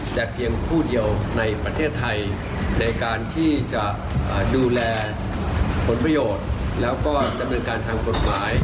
แต่เพียงผู้เดียวในประเทศไทยในการที่จะดูแลผลประโยชน์แล้วก็ดำเนินการทางกฎหมาย